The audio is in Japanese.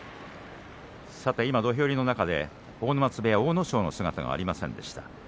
土俵入りの中で阿武松部屋の阿武咲の姿がありませんでした。